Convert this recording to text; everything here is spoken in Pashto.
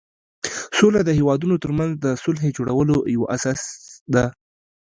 سوله د هېوادونو ترمنځ د صلحې جوړولو یوه اساس ده.